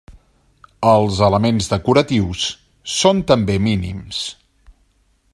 Els elements decoratius són també mínims.